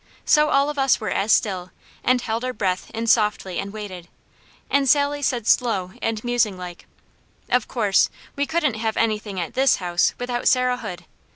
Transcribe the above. So all of us were as still, and held our breath in softly and waited, and Sally said slow and musing like, "Of course we couldn't have anything at THIS house without Sarah Hood.